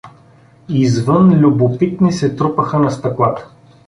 Извън любопитни се трупаха на стъклата.